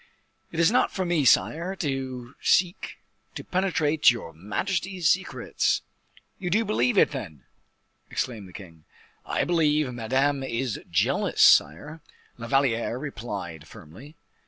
"It is not for me, sire, to seek to penetrate your majesty's secrets." "You do believe it, then?" exclaimed the king. "I believe Madame is jealous, sire," La Valliere replied, firmly.